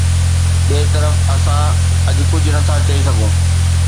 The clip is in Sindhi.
ٻئي طرف اسان اڄ ڪجهه نٿا چئي سگهون